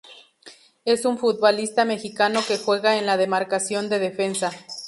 Es un futbolista mexicano que juega en la demarcación de Defensa.